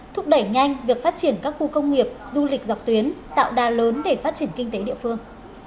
thúc đẩy nhanh việc phát triển các khu công nghiệp du lịch dọc tuyến tạo đà lớn để phát triển kinh tế địa phương